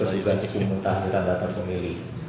dan juga sepemutahkiran data pemilih